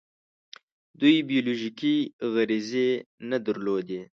دوی بیولوژیکي غریزې نه درلودې.